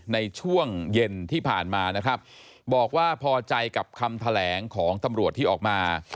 ในช่วงเย็นที่ผ่านมานะครับบอกว่าพอใจกับคำแถลงของตำรวจที่ออกมา